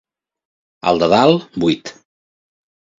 El de dalt, buit.